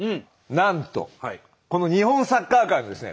なんとこの日本サッカー界のですね